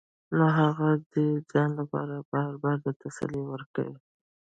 نو هغه دې ځان له بار بار دا تسلي ورکوي